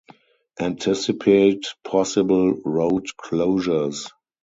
Anticipate possible road closures.